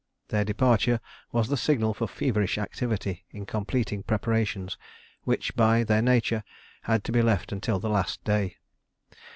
Their departure was the signal for feverish activity in completing preparations which, by their nature, had to be left until the last day.